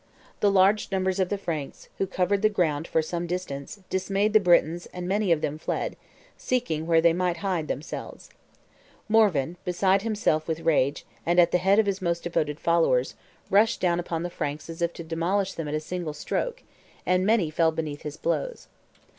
The large numbers of the Franks, who covered the ground for some distance, dismayed the Britons, and many of them fled, seeking where they might hide themselves. Morvan, beside himself with rage, and at the head of his most devoted followers, rushed down upon the Franks as if to demolish them at a single stroke; and many fell beneath his blows.